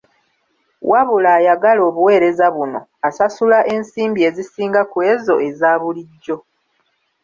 Wabula ayagala obuweereza buno asasula ensimbi ezisinga kw’ezo eza bulijjo..